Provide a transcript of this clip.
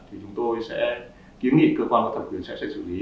thì chúng tôi sẽ kiếm nghị cơ quan và thẩm quyền sẽ xử lý